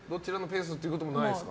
どちらのペースってこともないですか？